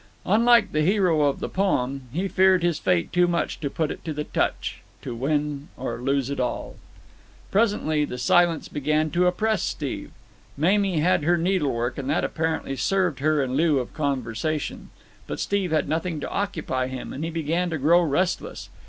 Unlike the hero of the poem, he feared his fate too much to put it to the touch, to win or lose it all. Presently the silence began to oppress Steve. Mamie had her needlework, and that apparently served her in lieu of conversation; but Steve had nothing to occupy him, and he began to grow restless.